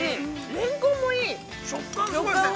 レンコンもいい。